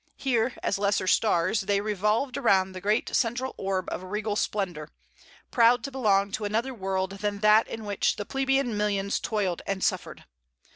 Here, as lesser stars, they revolved around the great central orb of regal splendor, proud to belong to another world than that in which the plebeian millions toiled and suffered.